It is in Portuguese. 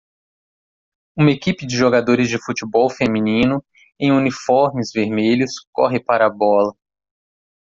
Uma equipe de jogadores de futebol feminino em uniformes vermelhos corre para a bola.